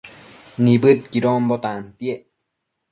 Nibëdquidonbo tantiec